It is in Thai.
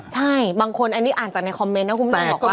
ใช่บางคนอันนี้อ่านจากในคอมเมนต์นะคุณผู้ชมบอกว่า